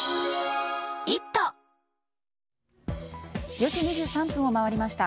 ４時２３分を回りました。